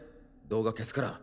動画消すから。